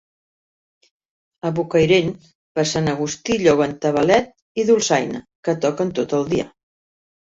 A Bocairent, per sant Agustí lloguen tabalet i dolçaina, que toquen tot el dia.